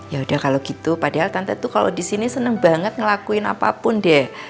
yaudah kalau gitu padahal tante tuh kalau di sini seneng banget ngelakuin apapun deh